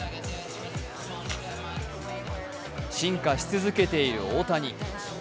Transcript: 進化し続けている大谷。